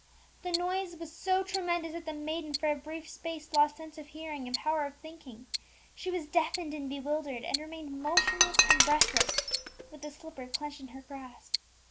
The noise was so tremendous that the maiden for a brief space lost sense of hearing and power of thinking; she was deafened and bewildered, and remained motionless and breathless, with the slipper clenched in her grasp.